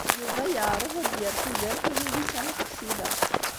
Yuba yeɛreḍ ad d-yerr tudert i Milisa n At Ksila.